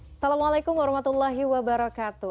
assalamualaikum warahmatullahi wabarakatuh